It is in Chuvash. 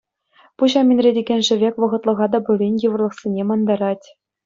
Пуҫа минретекен шӗвек вӑхӑтлӑха та пулин йывӑрлӑхсене мантарать.